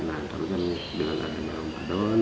nah kalau kan bilang ada dalam padon